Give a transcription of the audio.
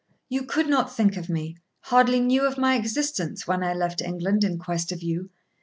You could not think of me, hardly knew of my existence, when I left England in quest of you.